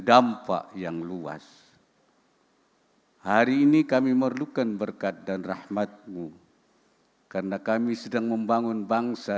dampak yang luas hari ini kami memerlukan berkat dan rahmatmu karena kami sedang membangun bangsa